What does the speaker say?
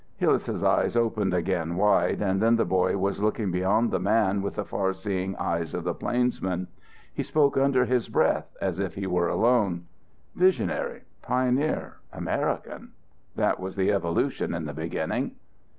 Hillas's eyes opened again, wide, and then the boy was looking beyond the man with the far seeing eyes of the plainsman. He spoke under his breath as if he were alone. "Visionary, pioneer, American. That was the evolution in the beginning.